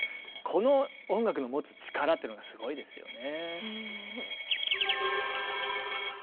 この音楽の持つ力っていうのがすごいですよね。